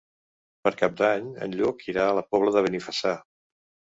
Per Cap d'Any en Lluc irà a la Pobla de Benifassà.